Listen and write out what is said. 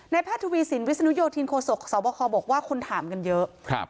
แพทย์ทวีสินวิศนุโยธินโคศกสวบคบอกว่าคนถามกันเยอะ